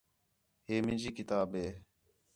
ہے مینجی کتاب ہے